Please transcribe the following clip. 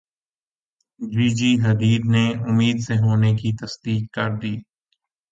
جی جی Hadid نے امید سے ہونے کی تصدیق کردی